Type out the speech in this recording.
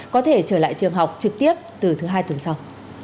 có thể trở lại trường học trực tiếp từ thứ hai tuần sau